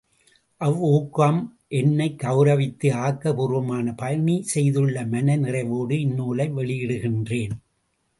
அவ் ஊக்கம் என்னைக் கெளரவித்தது ஆக்க பூர்வமான பணி செய்துள்ள மன நிறைவோடு இந்நூலை வெளியிடுகின்றேன்.